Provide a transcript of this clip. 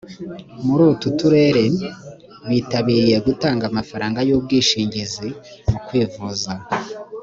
muri utu turere bitabire gutanga amafaranga y ubwishingizi mu kwivuza